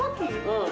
うん。